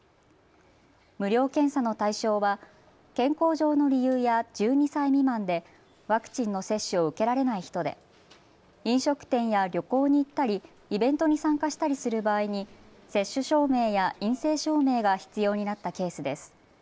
無料検査の対象は健康上の理由や１２歳未満でワクチンの接種を受けられない人で飲食店や旅行に行ったり、イベントに参加したりする場合に接種証明や陰性証明が必要になったケースです。